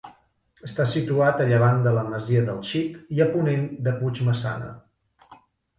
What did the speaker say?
Està situat a llevant de la Masia del Xic i a ponent de Puigmaçana.